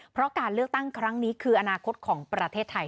เพราะการเลือกตั้งครั้งนี้คืออนาคตของประเทศไทย